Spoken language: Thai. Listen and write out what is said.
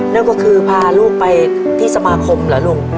นั่นก็คือพาลูกไปที่สมาคมเหรอลูก